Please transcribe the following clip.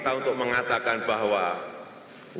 sudah cukup untuk kita mengatakan bahwa suddenly we got itiza miram